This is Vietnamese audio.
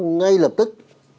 ngay lập tức